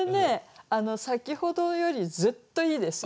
先ほどよりずっといいですよ。